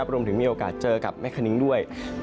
รวมถึงมีโอกาสเจอกับแม่คะนิ้งด้วย